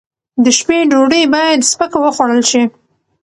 د شپې ډوډۍ باید سپکه وخوړل شي.